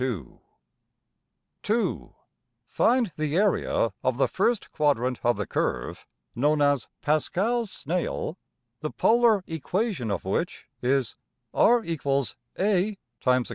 \] (2) Find the area of the first quadrant of the curve (known as ``Pascal's Snail''), the polar equation of which is $r=a(1+\cos \theta)$.